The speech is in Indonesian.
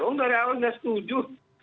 oh dari awal nggak setuju